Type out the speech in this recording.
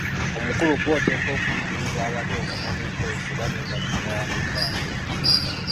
Omukulu ggw'oteekwa okuyigiriza abato okumanya enkozesa era n'endabirira y'akafo ako.